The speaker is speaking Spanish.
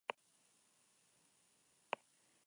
Moldavia fue el único país debutante en esta edición.